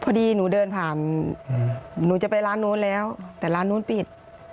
พอดีหนูเดินผ่านหนูจะไปร้านนู้นแล้วแต่ร้านนู้นปิด